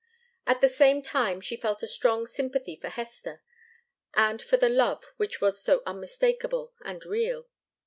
At the same time she felt a strong sympathy for Hester, and for the love which was so unmistakable and real.